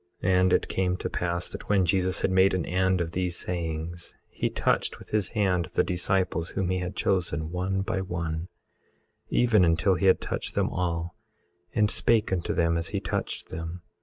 18:36 And it came to pass that when Jesus had made an end of these sayings, he touched with his hand the disciples whom he had chosen, one by one, even until he had touched them all, and spake unto them as he touched them.